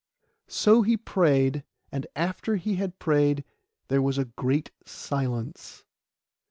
So he prayed; and after he had prayed there was a great silence.